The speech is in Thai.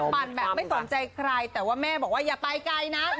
ปั่นแบบไม่สนใจใครแต่ว่าแม่บอกว่าอย่าไปไกลนะ